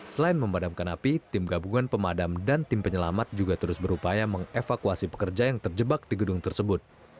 selain memadamkan api tim gabungan pemadam dan tim penyelamat juga terus berupaya mengevakuasi pekerja yang terjebak di gedung tersebut